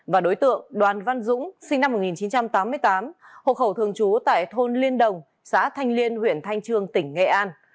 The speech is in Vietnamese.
và đối tượng đoàn văn dũng sinh năm một nghìn chín trăm tám mươi tám hộ khẩu thường trú tại thôn liên đồng xã thanh liên huyện thanh trương tỉnh nghệ an